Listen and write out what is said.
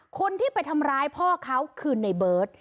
คนที่ไปทำร้ายพ่อเขาคือในเบิร์ต